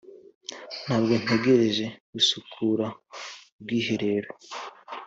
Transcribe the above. ntabwo ntegereje gusukura ubwiherero.